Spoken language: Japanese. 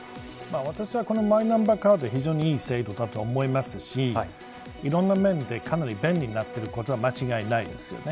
私はマイナンバーカードは非常に良い制度だと思いますしいろいろな面でかなり便利になっていることは間違いないですよね。